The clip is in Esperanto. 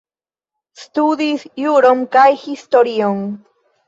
Studis juron kaj historion.